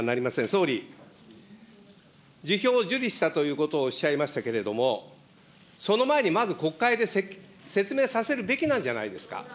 総理、辞表を受理したということをおっしゃいましたけれども、その前にまず国会で説明させるべきなんじゃないですか。